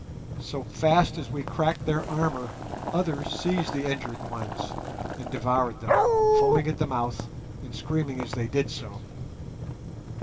So fast as we cracked their armour others seized the injured ones and devoured them, foaming at the mouth, and screaming as they did so.